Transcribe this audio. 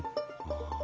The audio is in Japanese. ああ。